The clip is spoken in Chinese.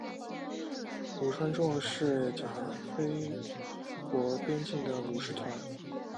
武川众是甲斐国边境的武士团。